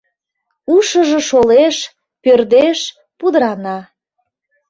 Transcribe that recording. Ушыжо шолеш, пӧрдеш, пудырана.